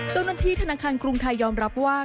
เจ้าหน้าที่ธนาคารกรุงไทยยอมรับว่า